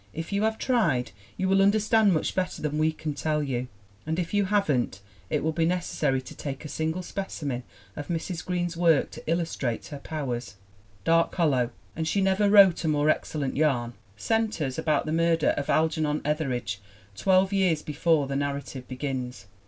If you have tried you will understand much better than we can tell you. And if you haven't it will be necessary to take a single specimen of Mrs. Green's work to illus trate her powers. Dark Hollow and she never wrote a more excel lent yarn centers about the murder of Algernon Ethe ridge twelve years before the narrative begins.